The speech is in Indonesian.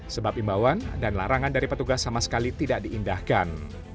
sebab imbauan dan larangan dari petugas sama sekali tidak diindahkan